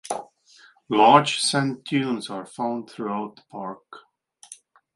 Large sand dunes are found throughout the park.